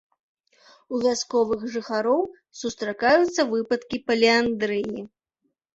У вясковых жыхароў сустракаюцца выпадкі паліандрыі.